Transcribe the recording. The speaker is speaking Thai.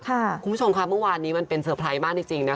คุณผู้ชมค่ะเมื่อวานนี้มันเป็นเซอร์ไพรส์มากจริงนะคะ